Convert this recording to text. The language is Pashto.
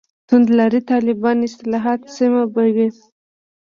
«توندلاري طالبان» اصطلاح سمه به وي.